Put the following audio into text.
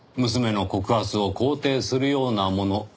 娘の告発を肯定するようなもの。